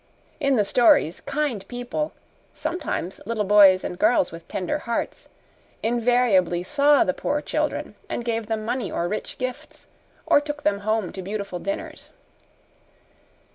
In the stories, kind people sometimes little boys and girls with tender hearts invariably saw the poor children and gave them money or rich gifts, or took them home to beautiful dinners.